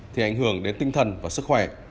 thì ảnh hưởng đến tinh thần và sức khỏe